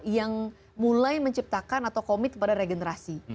yang mulai menciptakan atau komit pada regenerasi